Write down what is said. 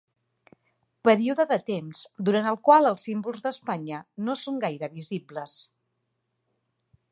Període de temps durant el qual els símbols d'Espanya no són gaire visibles.